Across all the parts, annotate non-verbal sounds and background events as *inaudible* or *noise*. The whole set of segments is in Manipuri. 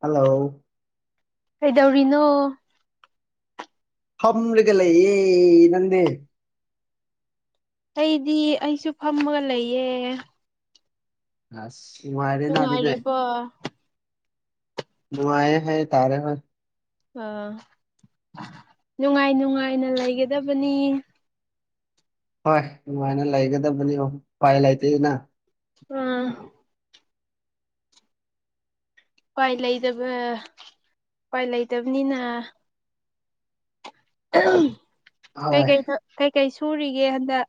ꯍꯜꯂꯣ ꯀꯩꯗꯧꯔꯤꯅꯣ ꯐꯝꯂꯒ ꯂꯩꯌꯦ ꯅꯪꯗꯤ ꯑꯩꯗꯤ ꯑꯩꯁꯨ ꯐꯝꯃꯒ ꯂꯩꯌꯦ ꯑꯁ ꯅꯨꯡꯉꯥꯏꯔꯦꯅ ꯑꯗꯨꯗꯤ ꯅꯨꯡꯉꯥꯏꯔꯤꯕꯣ ꯅꯨꯡꯉꯥꯏꯌꯦ ꯍꯥꯏ ꯇꯥꯔꯦ ꯍꯣꯏ ꯑꯥ ꯅꯨꯡꯉꯥꯏ ꯅꯨꯡꯉꯥꯏꯅ ꯂꯩꯒꯗꯕꯅꯤ ꯍꯣꯏ ꯅꯨꯉꯥꯏꯅ ꯂꯩꯒꯗꯕꯅꯤ ꯎꯄꯥꯏ ꯂꯩꯇꯦꯅ ꯑꯥ ꯎꯄꯥꯏ ꯂꯩꯇꯕ ꯎꯄꯥꯏ ꯂꯩꯇꯕꯅꯤꯅ ꯑꯍꯝ ꯍꯣꯏ ꯀꯩꯀꯩ ꯀꯩꯀꯩ ꯁꯨꯔꯤꯒꯦ ꯍꯟꯗꯛ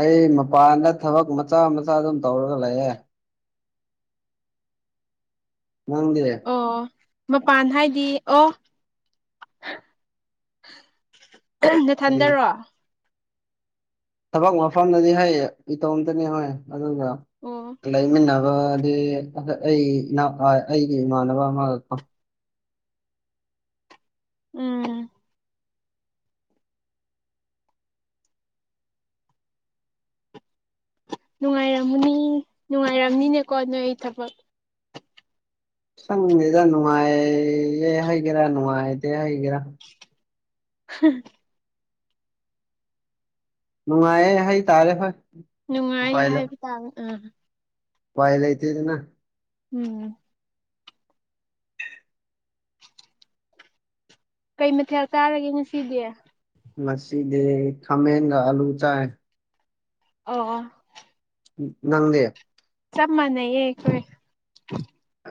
ꯑꯩ ꯃꯄꯥꯟꯗ ꯊꯕꯛ ꯃꯆꯥ ꯃꯆꯥ ꯑꯗꯨꯝ ꯇꯧꯔꯒ ꯂꯩꯌꯦ ꯅꯪꯗꯤ ꯑꯣ ꯃꯄꯥꯟ ꯍꯥꯏꯗꯤ ꯑꯣ ꯀꯩ ꯅꯊꯟꯗꯔꯣ ꯊꯕꯛ ꯃꯐꯝꯗꯗꯤ ꯍꯌꯦ ꯏꯇꯣꯝꯇꯅꯤ ꯍꯣꯏ ꯑꯗꯨꯒ ꯑꯣ ꯂꯩꯃꯤꯟꯅꯕ ꯑꯥ ꯑꯩ ꯑꯩꯒꯤ ꯏꯃꯥꯟꯅꯕ ꯑꯃꯒ ꯎꯝ ꯅꯨꯡꯉꯥꯏꯔꯝꯃꯅꯤ ꯅꯨꯡꯉꯥꯏꯔꯝꯅꯤꯅꯦꯀꯣ ꯅꯣꯏ ꯊꯕꯛ ꯁꯪꯗꯦꯗ ꯅꯨꯡꯉꯥꯏꯌꯦ ꯍꯩꯒꯦꯔꯥ ꯅꯨꯡꯉꯥꯏꯗꯦ ꯍꯩꯒꯦꯔꯥ ꯍꯤꯍꯤ ꯅꯨꯡꯉꯥꯏꯌꯦ ꯍꯥꯏ ꯇꯥꯔꯦ ꯍꯣꯏ ꯅꯨꯡꯉꯥꯏ ꯎꯄꯥꯏ ꯂꯩ ꯍꯥꯏꯕ ꯇꯥ ꯎꯝ ꯎꯄꯥꯏ ꯂꯩꯇꯦꯗꯅ ꯎꯝ ꯀꯩ ꯃꯊꯦꯜ ꯆꯥꯔꯒꯦ ꯉꯁꯤꯗꯤ ꯉꯁꯤꯗꯤ ꯈꯥꯃꯦꯟꯒ ꯑꯂꯨ ꯆꯥꯏ ꯑꯣ ꯑꯣ ꯎꯝ ꯅꯪꯗꯤ ꯆꯞ ꯃꯥꯟꯅꯩꯌꯦ ꯑꯩꯈꯧꯏ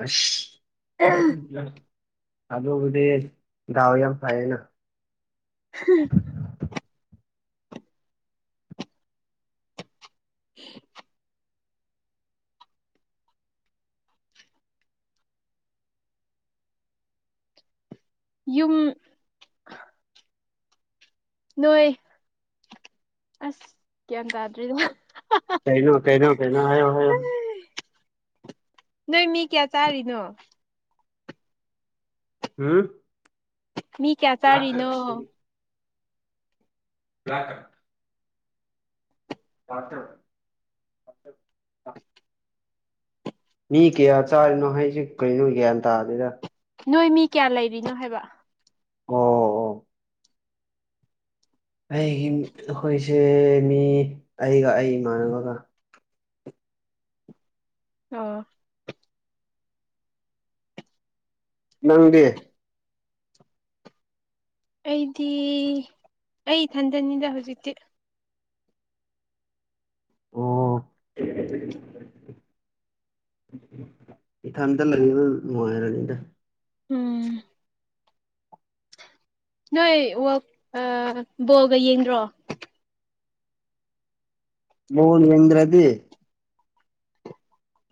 ꯑꯁ ꯑ *unintelligible* ꯑꯗꯨꯕꯨꯗꯤ ꯗꯥꯎ ꯌꯥꯝ ꯐꯩꯌꯦꯅ ꯍꯤꯍꯤ *inaudible* ꯌꯨꯝ ꯅꯣꯏ ꯑꯁ ꯒ꯭ꯌꯥꯟ ꯇꯥꯗ꯭ꯔꯤꯗ ꯍꯤꯍꯤ ꯀꯩꯅꯣ ꯀꯩꯅꯣ ꯀꯩꯅꯣ ꯍꯥꯏꯌꯣ ꯍꯥꯏꯌꯣ ꯅꯣꯏ ꯃꯤ ꯀꯌꯥ ꯆꯥꯔꯤꯅꯣ ꯍꯝ ꯃꯤ ꯀꯌꯥ ꯆꯥꯔꯤꯅꯣ *unintelligible* *unintelligible* ꯃꯤ ꯀꯌꯥ ꯆꯥꯔꯤꯅꯣ ꯍꯥꯏꯁꯦ ꯀꯔꯤꯅꯣ ꯒ꯭ꯌꯥꯟ ꯇꯥꯗꯦꯗ ꯅꯣꯏ ꯃꯤ ꯀꯌꯥ ꯂꯩꯔꯤꯅꯣ ꯍꯥꯏꯕ ꯑꯣ ꯑꯣ ꯑꯩꯒꯤ ꯑꯩꯈꯣꯏꯁꯦ ꯃꯤ ꯑꯩꯒ ꯑꯩ ꯏꯃꯥꯟꯅꯕꯒ ꯑꯣ ꯅꯪꯗꯤ ꯑꯩꯗꯤ ꯑꯩ ꯊꯟꯗꯅꯤꯗ ꯍꯧꯖꯤꯛꯇꯤ ꯑꯣ ꯏꯊꯟꯇ ꯂꯩꯕ ꯅꯨꯡꯉꯥꯏꯔꯅꯤꯗ ꯎꯝ ꯅꯣꯏ ꯋꯥꯜ ꯑꯥ ꯕꯣꯜꯒ ꯌꯦꯡꯗ꯭ꯔꯣ ꯕꯣꯜ ꯌꯦꯡꯗ꯭ꯔꯗꯤ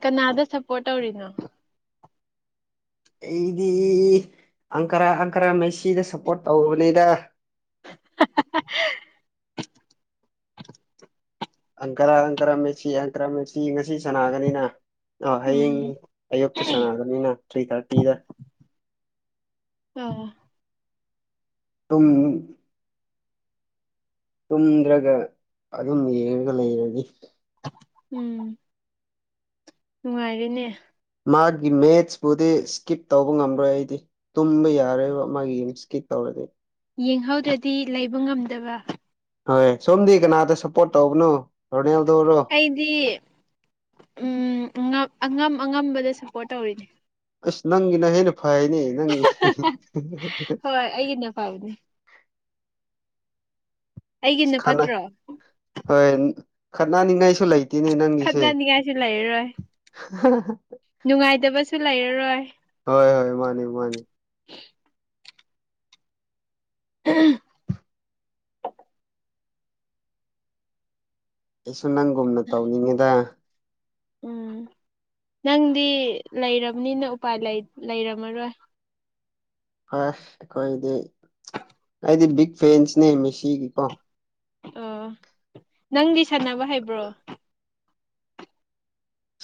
ꯀꯅꯥꯗ ꯁꯞꯄꯣꯔꯠ ꯇꯧꯔꯤꯅꯣ ꯑꯩꯗꯤ ꯑꯪꯀꯔꯥ ꯑꯪꯀꯔꯥ ꯃꯩꯁꯤꯗ ꯁꯞꯄꯣꯔꯠ ꯇꯧꯕꯅꯤꯗ ꯍꯥ ꯍꯥꯍ ꯥ *unintelligible* ꯑꯪꯀꯔꯥ ꯑꯪꯀꯔꯥ ꯃꯦꯠꯁꯤ ꯑꯪꯀꯔꯥ ꯃꯦꯠꯁꯤ ꯉꯁꯤ ꯁꯥꯟꯅꯥꯒꯅꯤꯅ ꯑꯥ ꯎꯝ ꯍꯌꯦꯡ ꯑꯌꯨꯛꯇ ꯆꯥꯟꯅꯒꯅꯤꯅ ꯊ꯭ꯔꯤ ꯊꯥꯔꯇꯤꯗ ꯎꯝ ꯇꯨꯝ ꯇꯨꯝꯗ꯭ꯔꯒ ꯑꯗꯨꯝ ꯌꯦꯡꯉꯒ ꯂꯩꯔꯗꯤ ꯎꯝ ꯅꯨꯡꯉꯥꯏꯔꯦꯅꯦ ꯃꯥꯒꯤ ꯃꯦꯠꯁꯄꯨꯗꯤ ꯏꯁꯀꯤꯞ ꯇꯧꯕ ꯉꯝꯂꯣꯏ ꯑꯩꯗꯤ ꯇꯨꯝꯕ ꯌꯥꯔꯣꯏꯕ ꯃꯥꯒꯤ ꯌꯨꯝ ꯏꯁꯀꯤꯞ ꯇꯧꯔꯗꯤ ꯌꯦꯡꯍꯧꯗ꯭ꯔꯗꯤ ꯂꯩꯕ ꯉꯝꯗꯕ ꯍꯣꯏ ꯁꯣꯝꯗꯤ ꯀꯅꯥꯗ ꯁꯞꯄꯣꯔꯠ ꯇꯧꯕꯅꯣ ꯔꯣꯅꯦꯜꯗꯣꯔꯣ ꯑꯩꯗꯤ ꯎꯝ ꯉꯛ ꯑꯉꯝ ꯑꯉꯝꯕꯗ ꯁꯞꯄꯣꯔꯠ ꯇꯧꯔꯤꯅꯦ ꯑꯁ ꯅꯪꯒꯤꯅ ꯍꯦꯟꯅ ꯐꯩꯌꯦꯅꯦ ꯅꯪꯒꯤ ꯍꯣꯏ ꯑꯩꯒꯤꯅ ꯐꯕꯅꯦ ꯑꯩꯒꯤꯅ ꯈꯠꯅ ꯐꯠꯇ꯭ꯔꯣ ꯍꯣꯏ ꯈꯠꯅꯅꯤꯡꯉꯥꯏꯁꯨ ꯂꯩ ꯈꯠꯅꯅꯤꯡꯉꯥꯏꯁꯨ ꯂꯩꯔꯔꯣꯏ ꯅꯨꯡꯉꯥꯏꯇꯕꯁꯨ ꯂꯩꯔꯔꯣꯏ ꯍꯣꯏ ꯍꯣꯏ ꯃꯥꯅꯦ ꯃꯥꯅꯦ *unintelligible* ꯑꯩꯁꯨ ꯅꯪꯒꯨꯝꯅ ꯇꯧꯅꯤꯡꯉꯦꯗ ꯎꯝ ꯅꯪꯗꯤ ꯂꯩꯔꯕꯅꯤꯅ ꯎꯄꯥꯏ ꯂꯩꯔꯝꯃꯔꯣꯏ ꯑꯁ ꯑꯩꯈꯣꯏꯗꯤ ꯑꯩꯗꯤ ꯕꯤꯛ ꯐꯦꯟꯁꯅꯦ ꯃꯤꯦꯁꯤꯒꯤꯀꯣ ꯑꯣ ꯅꯪꯗꯤ ꯁꯥꯟꯅꯕ ꯍꯩꯕ꯭ꯔꯣ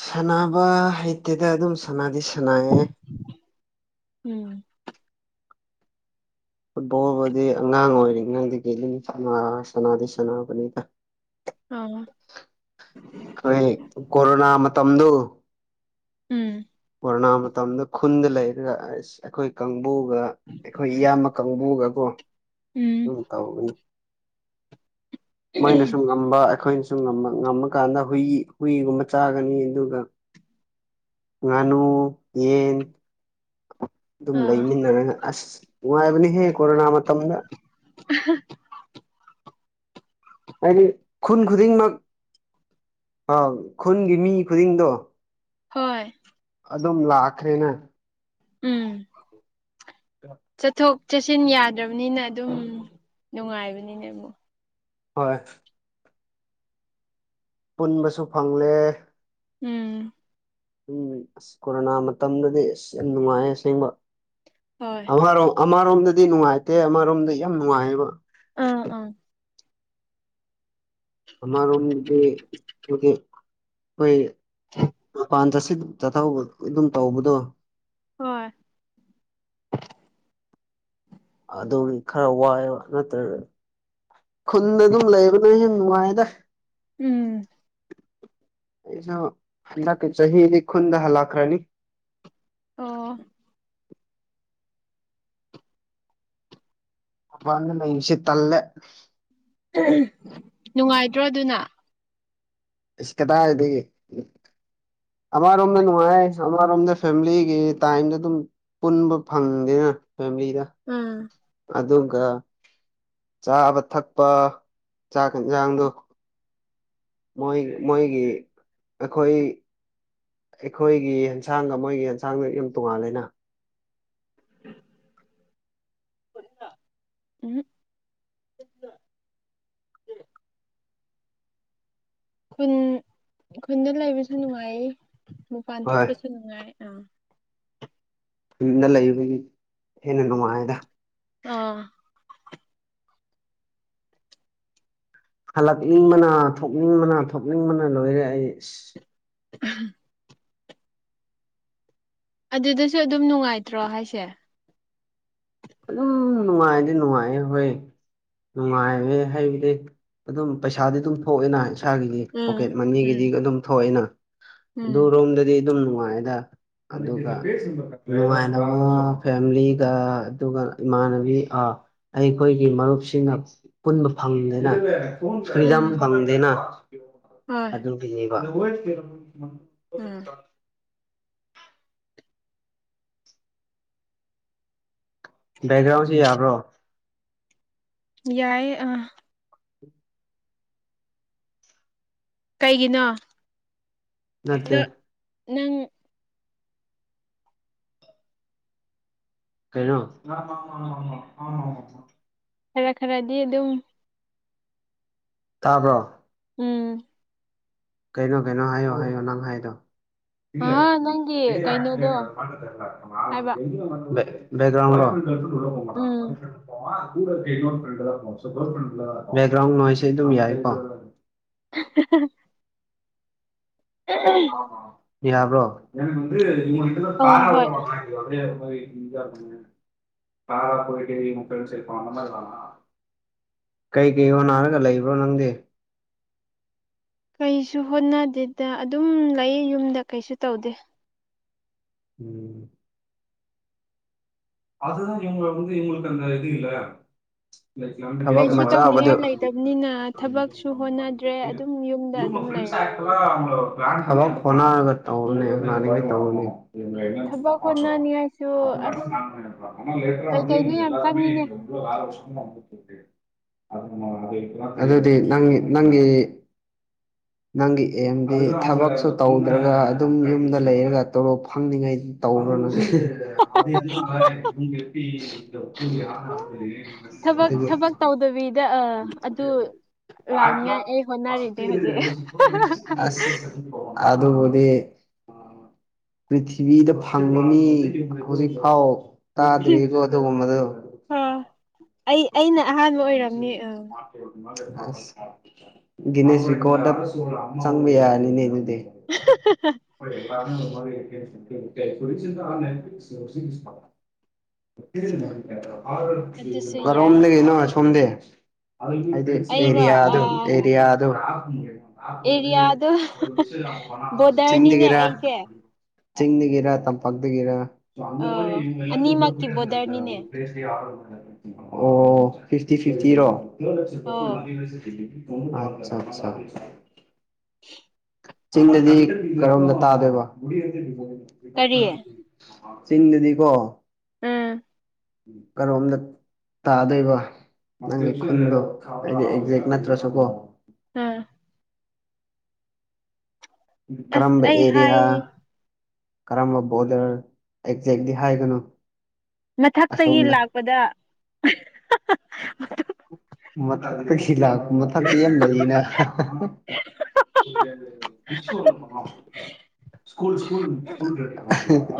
ꯁꯥꯟꯅꯕ ꯍꯩꯇꯦꯗ ꯑꯗꯨꯝ ꯁꯥꯟꯅꯗꯤ ꯁꯥꯟꯅꯌꯦꯦ ꯐꯨꯠꯕꯣꯜꯕꯨꯗꯤ ꯑꯉꯥꯡ ꯑꯣꯏꯔꯤꯉꯩꯗꯗꯤ ꯑꯗꯨꯝ ꯁꯥꯟꯅ ꯁꯥꯟꯅꯗꯤ ꯁꯥꯟꯅꯕꯅꯤꯗ ꯑꯥ ꯈꯣꯏ ꯀꯣꯔꯣꯅꯥ ꯃꯇꯝꯗꯨ ꯎꯝ ꯀꯣꯔꯣꯅꯥ ꯃꯇꯝꯗ ꯈꯨꯟꯗ ꯂꯩꯔꯒ ꯑꯁ ꯑꯩꯈꯣꯏ ꯀꯥꯡꯕꯨꯒ ꯑꯩꯈꯣꯏ ꯏꯌꯥꯝꯕ ꯀꯥꯡꯕꯨꯒꯀꯣ ꯎꯝ ꯑꯗꯨꯝ ꯇꯧꯒꯅꯤ ꯃꯣꯏꯅ ꯁꯨꯝ ꯉꯝꯕ ꯑꯩꯈꯣꯏꯅꯁꯨ ꯉꯝꯃ ꯀꯥꯟꯗ ꯍꯨꯏ ꯍꯨꯏꯒꯨꯝꯕ ꯆꯥꯒꯅꯤ ꯑꯗꯨꯒ ꯉꯥꯅꯨ ꯌꯦꯟ ꯑꯗꯨꯝ ꯑꯥ ꯂꯩꯃꯤꯟꯅꯔꯒ ꯑꯁ ꯅꯨꯡꯉꯥꯏꯕꯅꯦꯍꯦ ꯀꯣꯔꯣꯅꯥ ꯃꯇꯝꯗ *unintelligible* ꯍꯥꯏꯗꯤ ꯈꯨꯟ ꯈꯨꯗꯤꯡꯃꯛ ꯑꯥ ꯈꯨꯟꯒꯤ ꯃꯤ ꯈꯨꯗꯤꯡꯗꯣ ꯍꯣꯏ ꯑꯗꯨꯝ ꯂꯥꯛꯈ꯭ꯔꯦꯅ ꯎꯝ ꯆꯠꯊꯣꯛ ꯆꯠꯁꯤꯟ ꯌꯥꯗ꯭ꯔꯕꯅꯤꯅ ꯑꯗꯨꯝ ꯅꯨꯡꯉꯥꯏꯕꯅꯤꯅꯦ ꯑꯃꯨꯛ ꯍꯣꯏ ꯄꯨꯟꯕꯁꯨ ꯐꯪꯂꯦ ꯎꯝ ꯎꯝ ꯑꯁ ꯀꯣꯔꯣꯅꯥ ꯃꯇꯝꯗꯗꯤ ꯑꯁ ꯌꯥꯝ ꯅꯨꯡꯉꯥꯏ ꯑꯁꯦꯡꯕ ꯍꯣꯏ ꯑꯃꯔꯣꯝ ꯑꯃꯔꯣꯝꯗꯗꯤ ꯅꯨꯡꯉꯥꯏꯇꯦ ꯑꯃꯔꯣꯝꯗ ꯌꯥꯝ ꯅꯨꯡꯉꯥꯏꯌꯦꯕ ꯎꯝ ꯎꯝ *unintelligible* ꯆꯠꯊꯧꯕ ꯑꯗꯨꯝ ꯇꯧꯕꯗꯣ ꯍꯣꯏ ꯑꯗꯨꯒꯤ ꯈꯔ ꯋꯥꯏꯑꯦꯕ ꯅꯠꯇ꯭ꯔ ꯈꯨꯟꯗ ꯑꯗꯨꯝ ꯂꯩꯕꯅ ꯅꯨꯡꯉꯥꯏꯗ ꯎꯝ ꯁꯨ ꯍꯟꯗꯛꯀꯤ ꯆꯍꯤ ꯆꯍꯤꯗꯤ ꯈꯨꯨꯟꯗ ꯍꯥꯂꯛꯈꯔꯥꯅꯤ ꯑꯣ ꯃꯄꯥꯟꯗ ꯂꯩꯁꯤ ꯇꯜꯂꯦ ꯅꯨꯡꯉꯥꯏꯗ꯭ꯔꯣ ꯑꯗꯨꯅ ꯀꯗꯥꯏꯗꯒꯤ ꯑꯃꯔꯣꯝꯗ ꯅꯨꯡꯉꯥꯏ ꯑꯃꯔꯣꯝꯗ ꯐꯦꯃꯤꯂꯤꯒꯤ ꯇꯥꯏꯝꯗ ꯑꯗꯨꯝ ꯄꯨꯟꯕ ꯐꯪꯗꯦꯅ ꯐꯦꯃꯤꯂꯤꯗ ꯑꯥ ꯑꯗꯨꯒ ꯆꯥꯕ ꯊꯛꯄ ꯆꯥꯛ ꯌꯦꯟꯁꯥꯡꯗꯣ ꯃꯣꯏ ꯃꯣꯏꯒꯤ ꯑꯩꯈꯣꯏ ꯑꯩꯈꯣꯏꯒꯤ ꯌꯦꯟꯁꯥꯡ ꯃꯣꯏꯒꯤ ꯌꯦꯟꯁꯥꯡꯗ ꯌꯥꯝ ꯇꯣꯡꯉꯥꯜꯂꯦꯅ *inaudible* ꯎꯝ *inaudible* ꯈꯨꯟ ꯈꯨꯟꯗ ꯂꯩꯕꯁꯨ ꯅꯨꯡꯉꯥꯏ ꯃꯄꯥꯟ ꯍꯣꯏ ꯊꯣꯛꯄꯁꯨ ꯅꯨꯡꯉꯥꯏ ꯑꯥ ꯌꯨꯝꯗ ꯂꯩꯕꯒꯤ ꯍꯦꯟꯅ ꯅꯨꯡꯉꯥꯏꯗ ꯑꯥ ꯍꯜꯂꯛꯅꯤꯡꯕꯅ ꯊꯣꯛꯅꯤꯡꯕꯅ ꯊꯣꯛꯅꯤꯡꯕꯅ ꯂꯣꯏꯔꯦ ꯑꯩ ꯑꯁ ꯎꯝ ꯑꯗꯨꯗꯁꯨ ꯑꯗꯨꯝ ꯅꯨꯡꯉꯥꯏꯇ꯭ꯔꯣ ꯍꯥꯏꯁꯦ ꯑꯗꯨꯝ ꯅꯨꯡꯉꯥꯏꯗꯤ ꯅꯨꯡꯉꯥꯏꯌꯦ ꯍꯣꯏ ꯅꯨꯡꯉꯥꯏꯋꯦ ꯍꯥꯏꯩꯕꯗꯤ ꯑꯗꯨꯝ ꯄꯩꯁꯥꯗꯤ ꯑꯗꯨꯝ ꯊꯣꯛꯑꯦꯅ ꯏꯁꯥꯒꯤ ꯎꯝ ꯄꯣꯀꯦꯠ ꯎꯝ ꯃꯅꯤꯒꯤꯗꯤ ꯑꯗꯨꯝ ꯊꯣꯛꯑꯦꯅ ꯑꯗꯨ ꯎꯝ ꯔꯣꯝꯗꯗꯤ ꯑꯗꯨꯝ ꯅꯨꯡꯉꯥꯏꯗ ꯑꯗꯨꯒ ꯅꯨꯡꯉꯥꯏꯅ ꯉꯣ ꯐꯦꯃꯤꯂꯤꯒ ꯑꯗꯨꯒ ꯏꯃꯥꯟꯅꯕꯤ ꯑꯥꯑꯩꯈꯣꯏꯒꯤ ꯃꯔꯨꯞꯁꯤꯡꯅ ꯄꯨꯟꯕ ꯐꯪꯗꯅ ꯑꯗꯨꯝ ꯐ꯭ꯔꯤꯗꯝ ꯎꯝ ꯐꯪꯗꯦꯅ ꯍꯣꯏ ꯑꯗꯨꯒꯤꯅꯦꯕ INAUDIBLE ꯎꯝ ꯕꯦꯛꯒ꯭ꯔꯥꯎꯟꯖꯤ ꯌꯥꯕ꯭ꯔꯣ ꯌꯥꯏꯌꯦ ꯑꯥ ꯀꯩꯒꯤꯅꯣ ꯅꯠꯇꯦ ꯅ ꯅꯪ ꯀꯩꯅꯣ ꯈꯔ-ꯈꯔꯗꯤ ꯑꯗꯨꯝ ꯇꯥꯕ꯭ꯔꯣ ꯎꯪꯎꯪ ꯀꯩꯅꯣ ꯀꯩꯅꯣ ꯍꯥꯏꯌꯣ ꯍꯥꯏꯌꯣ ꯅꯪ ꯍꯥꯏꯗꯣ ꯑꯥ ꯅꯪꯒꯤ ꯀꯩꯅꯣꯗꯣ ꯍꯥꯏꯕ UNINTELLIGIBLE ꯕꯦꯛꯒ꯭ꯔꯥꯎꯟꯂꯣ ꯎꯝ UNINTELLIGIBLE UNINTELLIGIBLE INAUDIBLE ꯌꯥꯕ꯭ꯔꯣ ꯑꯣ ꯍꯣꯏ UNINTELLIGIBLE ꯀꯩꯀꯩ ꯍꯣ ꯅꯥꯔꯒ ꯂꯩꯕ꯭ꯔꯣ ꯅꯪꯗꯤ ꯀꯩꯁꯨ ꯍꯣꯠꯅꯗꯦꯗ ꯑꯗꯨꯝ ꯂꯩꯌꯦꯌꯨꯝꯗ ꯀꯩꯁꯨ ꯇꯧꯗꯦ INAUDIBLE UNINTELLIGIBLE ꯀꯩꯁꯨ ꯇꯧꯅꯤꯡꯉꯥꯏ ꯂꯩꯇꯕꯅꯤꯅ ꯊꯕꯛꯁꯨ ꯍꯣꯠꯅꯗ꯭ꯔꯦ ꯑꯗꯨꯝ ꯌꯨꯝꯗ ꯑꯗꯨꯝ ꯂꯩꯔꯦ INAUDIBLE ꯊꯕꯛ ꯍꯣꯠꯅꯅꯤꯡꯉꯥꯏꯁꯨ ꯑꯁ INAUDIBLE ꯀꯩꯀꯩꯅꯣ ꯌꯥꯝ INAUDIBLE ꯆꯪꯉꯤꯅꯦ ꯑꯗꯨꯗꯤ ꯅꯪ- ꯅꯪꯒꯤ ꯅꯪꯒꯤ ꯑꯦꯝꯗꯤ ꯊꯕꯛꯁꯨ ꯇꯧꯗ꯭ꯔꯒ ꯑꯗꯨꯝ ꯌꯨꯝꯗ ꯂꯩꯔꯒ ꯇꯣꯂꯣꯞ ꯐꯪꯅꯤꯡꯉꯩ INAUDIBLE ꯊꯕꯛ ꯊꯕꯛ ꯇꯧꯗꯕꯤꯗ ꯑ ꯑꯗꯨ ꯂꯥꯛꯅꯤꯉꯥꯏ ꯑꯩ ꯍꯣꯠꯅꯔꯤꯅꯦ ꯍꯧꯖꯤꯛ INAUDIBLE ꯑꯥꯁ ꯑꯗꯨꯗꯤ ꯄ꯭ꯔꯤꯊꯤꯕꯤꯗ ꯐꯪꯕ ꯃꯤ ꯍꯧꯖꯤꯛꯐꯥꯎ ꯇꯥꯗ꯭ꯔꯤꯕꯣ ꯑꯗꯨꯒꯨꯝꯕꯗꯣ ꯑꯥ ꯑꯩ ꯑꯩꯅ ꯑꯍꯥꯟꯕ ꯑꯣꯏꯔꯝꯅꯦ ꯑꯪ ꯒꯦꯅꯤꯁ ꯔꯦꯀꯣꯔꯠꯇꯥ ꯆꯪꯕ ꯌꯥꯔꯅꯤꯅꯦ INAUDIBLE ꯑꯗꯨꯁꯨ INAUDIBLE ꯌꯥꯏ ꯀꯥꯔꯣꯝꯗꯒꯤꯅꯣ ꯑꯁꯣꯝꯗꯤ ꯍꯥꯏꯗꯤ ꯑꯩꯔꯣ ꯑꯥ ꯑꯦꯔꯤꯌꯥꯗꯣ-ꯑꯦꯔꯤꯌꯥꯗꯣ ꯑꯦꯔꯤꯌꯥꯗꯣ ꯕꯣꯔꯗꯔꯅꯤꯅꯦ ꯆꯤꯡꯗꯒꯤꯔꯥ ꯑꯩꯁꯦ ꯆꯤꯡꯗꯒꯤꯔꯥ ꯇꯝꯄꯥꯛꯇꯒꯤꯔꯥ *unintelligible* ꯑꯥ ꯑꯅꯤꯃꯛꯀꯤ ꯕꯣꯔꯗꯔꯅꯤꯅꯦ ꯑꯣ ꯐꯤꯐꯇꯤ ꯐꯤꯐꯇꯤꯔꯣ *unintelligible* ꯑꯣ ꯎꯝ ꯑꯠꯁꯥ ꯑꯠꯁꯥ *inaudible* ꯆꯤꯡꯗꯗꯤ ꯀꯔꯣꯝꯗ ꯇꯥꯗꯣꯏꯕ ꯀꯔꯤ ꯆꯤꯡꯗꯨꯗꯤꯀꯣ ꯎꯝ ꯀꯔꯣꯝꯗ ꯇꯥꯗꯣꯏꯕ ꯅꯪꯒꯤ ꯈꯨꯟꯗꯣ ꯑꯩꯗꯤ ꯑꯦꯛꯖꯦꯛ ꯅꯠꯇ꯭ꯔꯁꯨꯀꯣ ꯎꯝ ꯑꯁ ꯀ꯭ꯔꯝꯕ ꯑꯩ ꯍꯥꯏ ꯑꯦꯔꯤꯌꯥ ꯀꯔꯝꯕ ꯕꯣꯔꯗꯔ ꯑꯦꯛꯖꯦꯛꯇꯤ ꯍꯥꯏꯒꯅꯨ ꯃꯊꯛꯇꯒꯤ ꯑꯁꯣꯝꯗ ꯂꯥꯛꯄꯗ ꯃꯊꯛꯇ ꯁꯤ ꯂꯥꯛꯄ ꯃꯊꯛꯁꯤ ꯌꯥꯝ ꯂꯩꯌꯤꯅ *unintelligible* ꯕꯤꯁꯨꯟ ꯁ꯭ꯀꯨꯜ ꯁ꯭ꯀꯨꯜ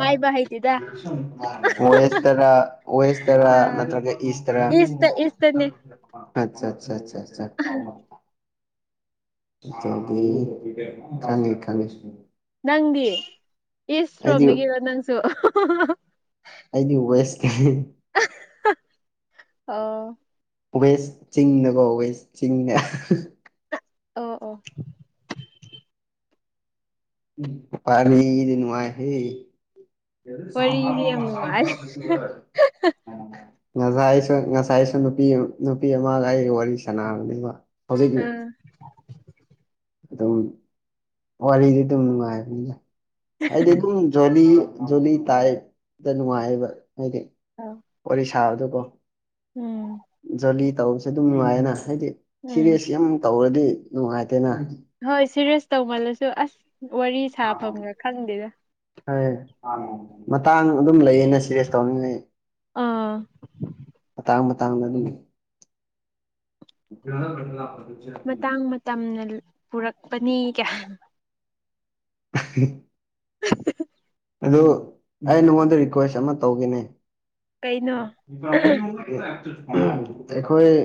ꯍꯥꯏꯕ ꯍꯩꯇꯦꯗ ꯋꯦꯁ ꯇꯔꯥ ꯋꯦꯁ ꯇꯔꯥ ꯑꯥ ꯅꯠꯇ꯭ꯔꯒ ꯏꯁ ꯇꯔꯥ ꯏꯁꯇ ꯏꯁꯇꯅꯦ ꯑꯠꯆꯥ ꯆꯥ ꯆꯥ ꯆꯥ ꯢꯆꯜꯗꯤ ꯈꯪꯉꯦ ꯈꯪꯉꯦ ꯅꯪꯗꯤ ꯏꯁ ꯑꯩꯗꯤ ꯔꯣꯝꯗꯒꯤꯔꯣ ꯅꯪꯁꯨ ꯑꯩꯗꯤ ꯋꯦꯁꯅꯦ ꯑꯣ ꯋꯦꯁ ꯆꯤꯡꯅꯀꯣ ꯋꯦꯁ ꯆꯤꯡꯅ ꯑꯣ ꯑꯣ ꯎꯝ ꯋꯥꯔꯤꯗꯤ ꯅꯨꯡꯉꯥꯏꯍꯦ ꯋꯥꯔꯤꯗꯤ ꯌꯥꯝ ꯅꯨꯡꯉꯥꯏ *unintelligible* ꯉꯖꯥꯏꯁꯨ ꯉꯁꯥꯏꯁꯨ ꯅꯨꯄꯤ ꯅꯨꯄꯤ ꯑꯃꯒ ꯑꯩꯒ ꯋꯥꯔꯤ ꯁꯥꯟꯅꯕꯅꯦꯕ ꯍꯧꯖꯤꯛ ꯎꯝ ꯑꯗꯨꯝ ꯋꯥꯔꯤꯗꯤ ꯑꯗꯨꯝ ꯅꯨꯡꯉꯥꯏꯕꯅꯤ ꯑꯩꯗꯤ ꯑꯗꯨꯝ ꯖꯣꯂꯤ ꯖꯣꯂꯤ ꯇꯥꯏꯞꯇ ꯅꯨꯡꯉꯥꯏꯕ ꯍꯥꯏꯗꯤ ꯋꯔꯤ ꯁꯥꯕꯗꯣꯀꯣ ꯎꯝ ꯇꯧꯕꯁꯦ ꯑꯗꯨꯝ ꯅꯨꯡꯉꯥꯏꯌꯦꯅꯥ ꯍꯥꯏꯗꯤ ꯎꯝ ꯁꯤꯔꯤꯌꯁ ꯌꯥꯝ ꯇꯧꯔꯗꯤ ꯅꯨꯡꯉꯥꯏ ꯍꯣꯏ ꯁꯤꯔꯤꯌꯁ ꯇꯧꯃꯜꯂꯁꯨ ꯑꯁ ꯋꯥꯔꯤ ꯁꯥꯐꯝꯒ ꯈꯪꯗꯦꯗ ꯍꯣꯢ ꯃꯇꯥꯡ ꯑꯗꯨꯝ ꯂꯩꯌꯦ ꯑꯩꯅ ꯁꯤꯔꯤꯌꯁ ꯇꯧꯔꯤꯉꯩ ꯑꯥ ꯃꯇꯥꯡ ꯃ ꯇꯥꯡ ꯑꯗꯨ *unintelligible* ꯃꯇꯥꯡ ꯃꯇꯝꯅ ꯄꯨꯔꯛꯄꯅꯤ ꯀꯌꯥ *unintelligible* *unintelligible* ꯑꯗꯨ ꯑꯩ ꯅꯪꯉꯣꯟꯗ ꯔꯤꯀ꯭ꯋꯦꯁ ꯑꯃ ꯇꯧꯒꯦꯅꯦ ꯀꯩꯅꯣ *unintelligible* ꯑꯩꯈꯣꯏ ꯑꯦ